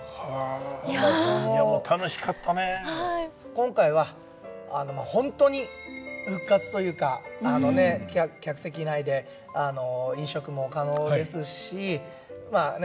今回はホントに復活というかあのね客席内で飲食も可能ですしまあね